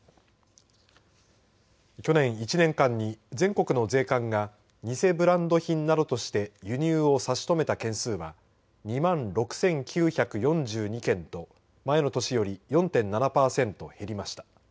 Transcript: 去年１年間に全国の税関が偽ブランド品などとして輸入を差し止めた件数は２万６９４２件と前の年より４．７パーセント減りました。